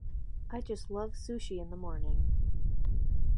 I just love sushi in the morning